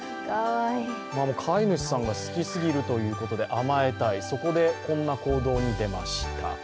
飼い主さんが好きすぎるということで甘えたい、そこでこんな行動に出ました。